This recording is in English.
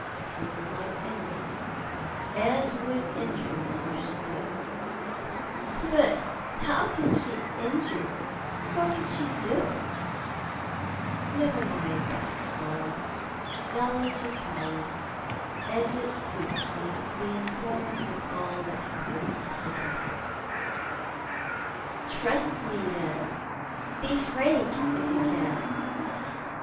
She is my enemy, and would injure me if she could." " But how could she injure you— what could she do ?"" Never mind that, Cora. Knowledge is power, and it suits me to be informed of all that happens at the Castle." " Trust me, then. Bo frank, if you can.